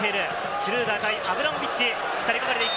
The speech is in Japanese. シュルーダー対アブラモビッチ。